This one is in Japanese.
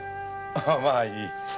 まあいい。